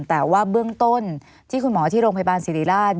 แต่ว่าเบื้องต้นที่คุณหมอที่โรงพยาบาลสิริราช